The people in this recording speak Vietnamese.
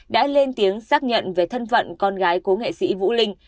đã lên tiếng xác nhận về thân phận con gái cố nghệ sĩ vũ linh